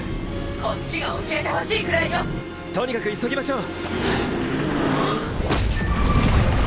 「こっちが教えてほしいくらいよ！」とにかく急ぎましょう！